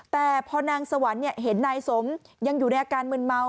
แต่พอนางสวรรค์เห็นนายสมยังอยู่ในอาการมืนเมา